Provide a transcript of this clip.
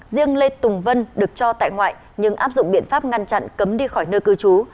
riêng lê tùng vân được cho tại ngoại nhưng áp dụng biện pháp ngăn chặn cấm đi khỏi nơi cư trú